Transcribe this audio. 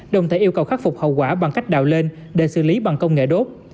đồng thể yêu cầu khắc phục hậu quả bằng cách đạo lên để xử lý bằng công nghệ đốt